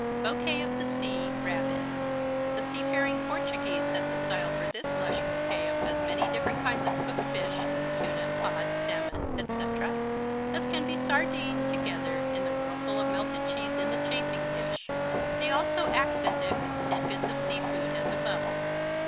"Bouquet of the Sea" Rabbit The seafaring Portuguese set the style for this lush bouquet of as many different kinds of cooked fish (tuna, cod, salmon, etc.) as can be sardined together in the whirlpool of melted cheese in the chafing dish. They also accent it with tidbits of sea food as above.